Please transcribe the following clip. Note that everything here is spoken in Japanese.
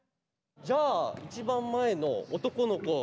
じゃあ一番前の男の子。